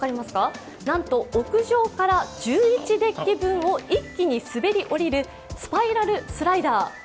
なんと屋上から１１デッキ分を一気に滑り降りるスパイラル・スライダー。